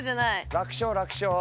楽勝楽勝。